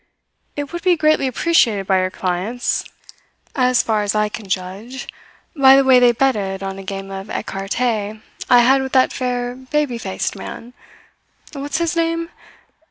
It would be greatly appreciated by your clients, as far as I can judge from the way they betted on a game of ecarte I had with that fair, baby faced man what's his name?